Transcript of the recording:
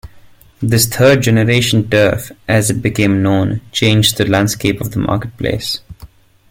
This third generation turf, as it became known, changed the landscape of the marketplace.